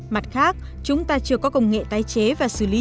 mặt khác chúng ta chưa có công nghệ tái chế và xử lý chất thải điện tử